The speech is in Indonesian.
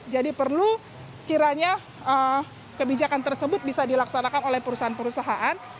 perlu kiranya kebijakan tersebut bisa dilaksanakan oleh perusahaan perusahaan